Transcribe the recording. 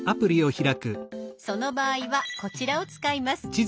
その場合はこちらを使います。